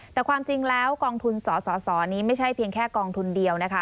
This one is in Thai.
แต่ความจริงแล้วกองทุนสสนี้ไม่ใช่เพียงแค่กองทุนเดียวนะคะ